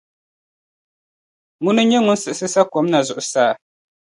Ŋuna n-nyɛ ŋun siɣisi sa’ kom na zuɣusaa.